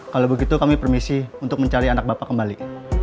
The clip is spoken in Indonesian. kalau begitu kami permisi untuk mencari anak bapak kembali